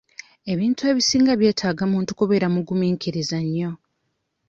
Ebintu ebisinga byetaaga muntu kubeera mugumiikiriza nnyo.